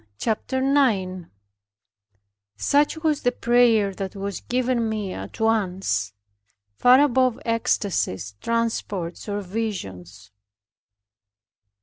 CHAPTER 9 Such was the prayer that was given me at once, far above ecstacies, transports or visions.